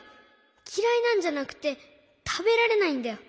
きらいなんじゃなくてたべられないんだよ。